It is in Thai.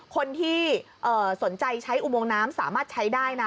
คนที่สนใจใช้อุโมงน้ำสามารถใช้ได้นะ